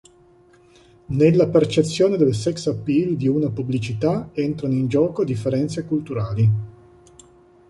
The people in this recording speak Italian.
Nella percezione del sex-appeal di una pubblicità entrano in gioco differenze culturali.